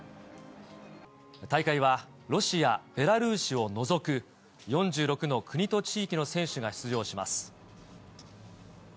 大会はロシア、ベラルーシを除く４６の国と地域の選手が出場します。